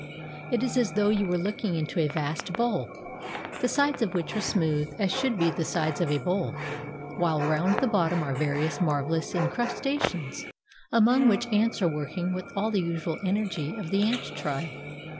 It is as though you were looking into a vast bowl, the sides of which arc smooth as should be the sides of a bowl, while round the bottom are various mar velous incrustations, among which ants are working with all the usual energy of the ant tribe.